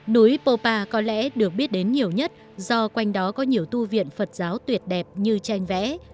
núi popa có lẽ được biết đến nhiều nhất do quanh đó có nhiều tu viện phật giáo tuyệt đẹp như tranh vẽ